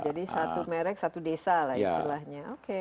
jadi satu merek satu desa lah istilahnya